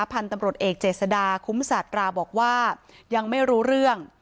พันธุ์ตำรวจเอกเจษดาคุ้มศาตราบอกว่ายังไม่รู้เรื่อง